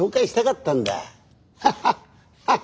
ハハハッ！